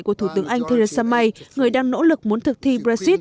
của thủ tướng anh theresa may người đang nỗ lực muốn thực thi brexit